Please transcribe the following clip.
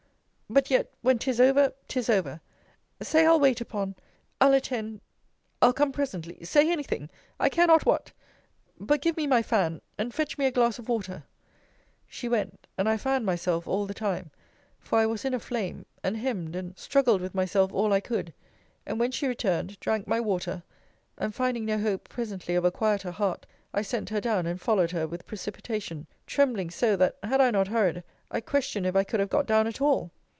but yet when 'tis over, 'tis over! Say, I'll wait upon I'll attend I'll come presently say anything; I care not what but give me my fan, and fetch me a glass of water She went, and I fanned myself all the time; for I was in a flame; and hemmed, and struggled with myself all I could; and, when she returned, drank my water; and finding no hope presently of a quieter heart, I sent her down, and followed her with precipitation; trembling so, that, had I not hurried, I question if I could have got down at all.